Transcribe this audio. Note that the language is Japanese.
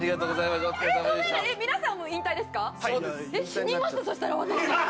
死にますそしたら私。